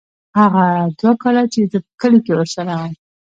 هغه دوه کاله چې زه په کلي کښې ورسره وم.